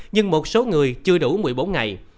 nhưng một số người chưa đủ một mươi bốn ngày